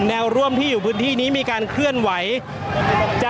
ก็น่าจะมีการเปิดทางให้รถพยาบาลเคลื่อนต่อไปนะครับ